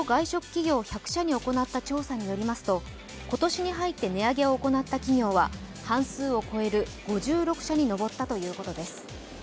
企業１００社に行った調査によりますと今年に入って値上げを行った企業は半数を超える５６社に上ったということです。